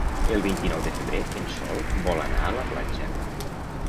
El vint-i-nou de febrer en Sol vol anar a la platja.